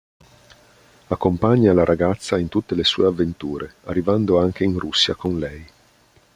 Accompagna la ragazza in tutte le sue avventure, arrivando anche in Russia con lei.